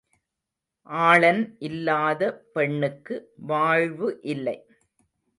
ஆளன் இல்லாத பெண்ணுக்கு வாழ்வு இல்லை.